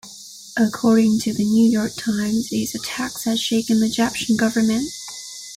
According to "The New York Times", these attacks had "shaken the Egyptian Government".